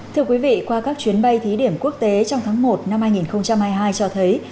thưa quý vị qua các chuyến bay thí điểm quốc tế trong tháng một năm hai nghìn hai mươi hai cho thấy